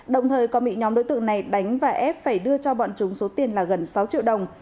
đồng thời còn bị nhóm đối tượng này đánh và ép phải đưa cho bọn chúng số tiền là gần sáu triệu đồng